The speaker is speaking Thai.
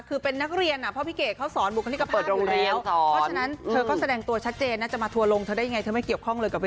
คือเป็นนักเรียนเพราะพี่เกดเขาสอนบุคลิกภาพอยู่แล้ว